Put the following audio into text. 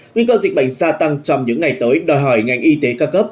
nguy cơ dịch bệnh gia tăng trong những ngày tới đòi hỏi ngành y tế ca cấp